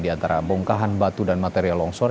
di antara bongkahan batu dan material longsor